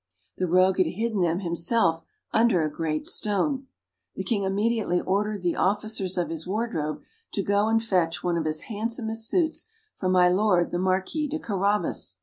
The rogue had hidden them himself under a great stone. The King immediately ordered the officers of his wardrobe to go and fetch one of his handsomest suits for my Lord the Marquis de Carabas.